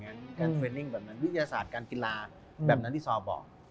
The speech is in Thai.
การวลิทยาศาสตร์การกองกีฬาแบบนั้นที่ซอร์บอก